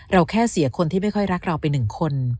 แค่เสียคนที่ไม่ค่อยรักเราไปหนึ่งคน